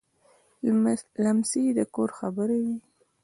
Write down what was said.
لمسی د کور خبره وي.